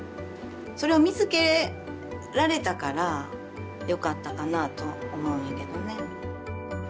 それを見つけられたからよかったかなと思うねんけどね。